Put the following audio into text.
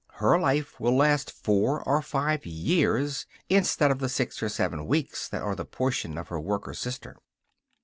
Her life will last four or five years, instead of the six or seven weeks that are the portion of her worker sister.